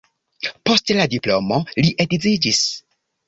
Post la diplomo li edziĝis.